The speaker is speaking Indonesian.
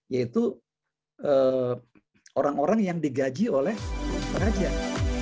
yaitu orang orang yang digaji oleh pengajar